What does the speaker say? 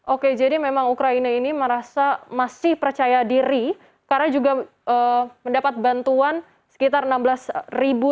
oke jadi memang ukraina ini merasa masih percaya diri karena juga mendapat bantuan sekitar enam belas ribu